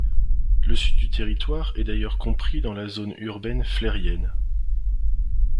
Le Sud du territoire est d'ailleurs compris dans la zone urbaine flérienne.